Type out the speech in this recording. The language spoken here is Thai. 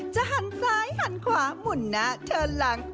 หันซ้ายหันขวาหมุนหน้าเชิญหลัง